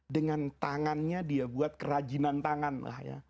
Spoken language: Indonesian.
dengan tangannya dia buat kerajinan tangan lah ya